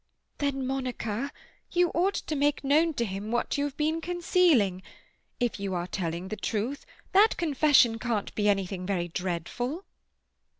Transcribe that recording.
"Then, Monica, you ought to make known to him what you have been concealing. If you are telling the truth, that confession can't be anything very dreadful."